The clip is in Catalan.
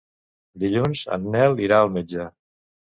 Dilluns en Nel irà al metge.